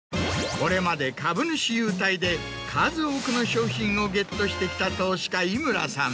これまで株主優待で数多くの商品をゲットしてきた投資家井村さん。